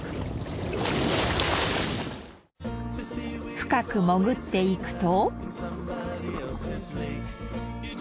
深く潜っていくと。